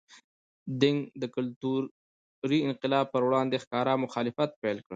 دینګ د کلتوري انقلاب پر وړاندې ښکاره مخالفت پیل کړ.